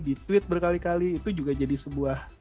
di tweet berkali kali itu juga jadi sebuah